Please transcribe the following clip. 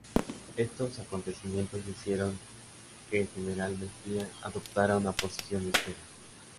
Estos acontecimientos hicieron que el General Mejía, adoptara una posición de espera.